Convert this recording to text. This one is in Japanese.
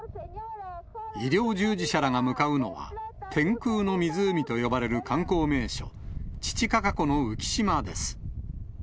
医療従事者らが向かうのは、天空の湖と呼ばれる観光名所、チチカカ湖の浮島です。